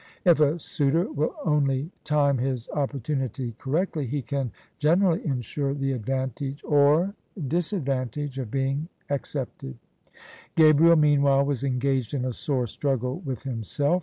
If a suitor will only time his opportunity correctly, he can gener ally ensure the advantage j[or disadvantage) of being ac cepted. Gabriel, meanwhile, was engaged in a sore struggle with himself.